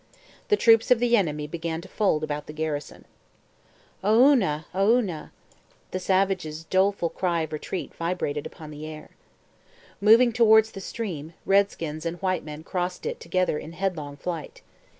The troops of the enemy began to fold about the garrison. 'Oonah! Oonah!' The savages' doleful cry of retreat vibrated upon the air. Moving towards the stream, redskins and white men crossed it together in headlong flight.